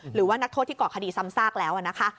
หรือว่านักโทษที่ก่อคดีซ้ำซากแล้วนะคะ